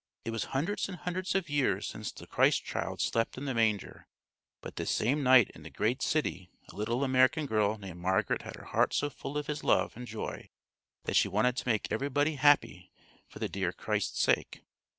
It was hundreds and hundreds of years since the Christ Child slept in the manger; but this same night in the great city a little American girl named Margaret had her heart so full of His love and joy that she wanted to make everybody happy for the dear Christ's sake.